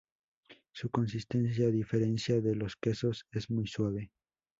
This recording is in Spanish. Su consistencia, a diferencia de los quesos, es muy suave.